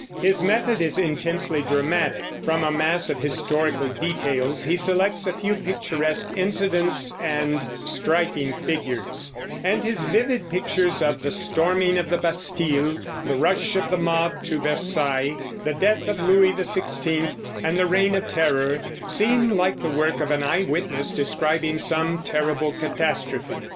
His method is intensely dramatic. From a mass of historical details he selects a few picturesque incidents and striking figures, and his vivid pictures of the storming of the Bastille, the rush of the mob to Versailles, the death of Louis XVI, and the Reign of Terror, seem like the work of an eyewitness describing some terrible catastrophe.